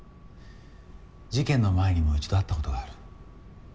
事件の前にも一度会ったことがある。